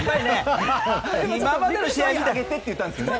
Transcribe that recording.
今までの試合だけって言ったんですけどね